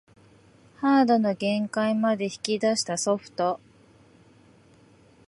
ハードの限界まで引き出したソフト